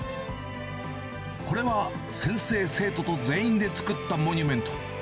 これは先生、生徒と全員で作ったモニュメント。